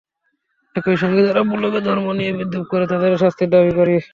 একই সঙ্গে যারা ব্লগে ধর্ম নিয়ে বিদ্রূপ করে তাদেরও শাস্তির দাবি করি।